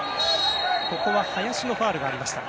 ここは林のファウルがありました。